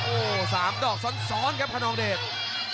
โอ้สามดอกซ้อนครับคณองเดชน์